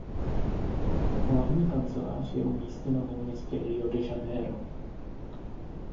Hlavní kancelář je umístěna ve městě Rio de Janeiro.